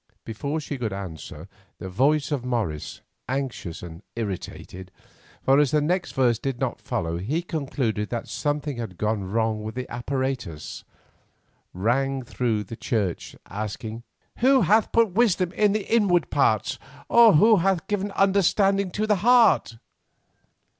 Before she could answer the voice of Morris, anxious and irritated, for as the next verse did not follow he concluded that something had gone wrong with the apparatus, rang through the church asking: "'Who hath put wisdom in the inward parts, or who hath given understanding to the heart?